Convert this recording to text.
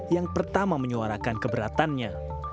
yang pertama menyuarakan keberatannya